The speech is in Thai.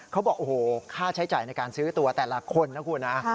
เขาบอกโอ้โหค่าใช้จ่ายในการซื้อตัวแต่ละคนนะคุณนะ